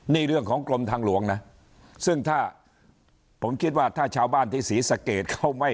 นี่เรื่องของกรมทางหลวงนะซึ่งถ้าผมคิดว่าถ้าชาวบ้านที่ศรีสะเกดเขาไม่